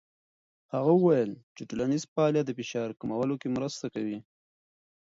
هغه وویل چې ټولنیز فعالیت د فشار کمولو کې مرسته کوي.